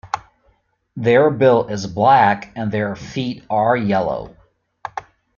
Their bill is black and their feet are yellow.